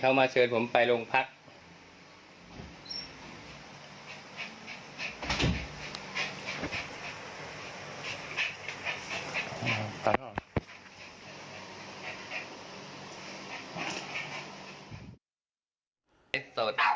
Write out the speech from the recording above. อ่าข้างนอก